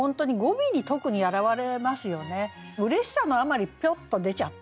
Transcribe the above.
うれしさのあまりぴょっと出ちゃった。